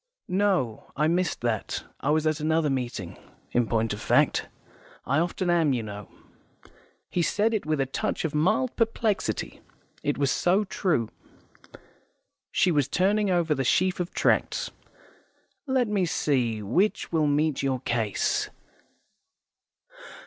"No, I missed that. I was at another meeting, in point of fact. I often am, you know." He said it with a touch of mild perplexity. It was so true. She was turning over the sheaf of tracts. "Let me see: which will meet your case?